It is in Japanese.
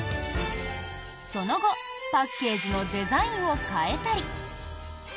その後、パッケージのデザインを変えたり。